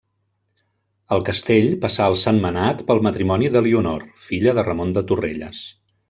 El castell passà als Sentmenat pel matrimoni d'Elionor, filla de Ramon de Torrelles.